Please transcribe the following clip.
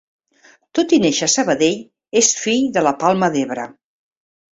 Tot i néixer a Sabadell, és fill de la Palma d'Ebre.